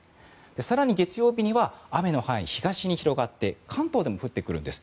更に月曜日には雨の範囲東に広がって関東でも降ってくるんです。